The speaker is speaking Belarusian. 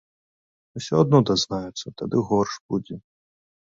Усё адно дазнаюцца, тады горш будзе.